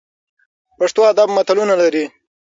پښتو ادب متلونه لري